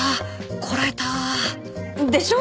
こらえたでしょ？